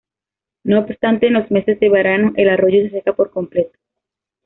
No obstante, en los meses de verano, el arroyo se seca por completo.